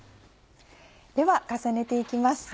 では重ねて行きます。